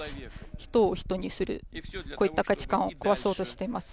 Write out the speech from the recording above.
人を人にする、こういった価値観を壊そうとしています。